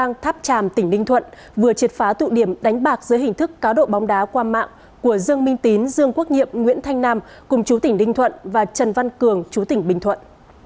công an thành phố phan rang tràm tỉnh đinh thuận vừa triệt phá tụ điểm đánh bạc giữa hình thức cáo độ bóng đá qua mạng của dương minh tín dương quốc nhiệm nguyễn thanh nam cùng chú tỉnh đinh thuận và trần văn cường chú tỉnh bình thuận